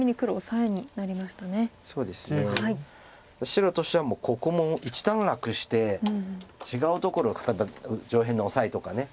白としてはここも一段落して違うところ例えば上辺のオサエとか。